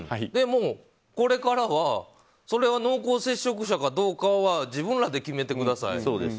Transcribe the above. でもこれからはそれは濃厚接触者かどうかは自分らで決めてください。